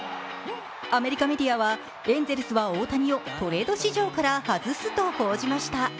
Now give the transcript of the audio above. アメリカメディアはエンゼルスは大谷をトレード市場から外すと報じました。